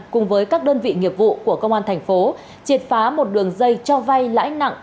cùng với các đơn vị nghiệp vụ của công an thành phố triệt phá một đường dây cho vay lãi nặng